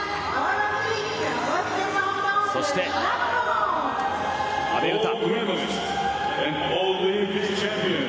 そして、阿部詩。